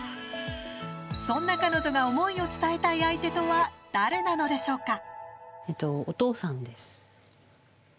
そんな彼女が思いを伝えたい相手とは誰なのでしょうか。